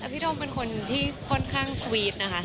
พี่โดมเป็นคนที่ค่อนข้างสวีทนะคะ